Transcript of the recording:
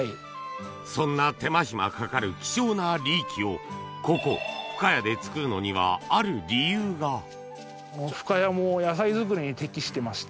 そんな手間暇かかる希少なリーキをここ深谷で作るのにはある理由が深谷も。